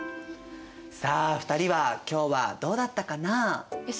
さあ２人は今日はどうだったかな？